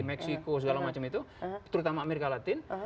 meksiko segala macam itu terutama amerika latin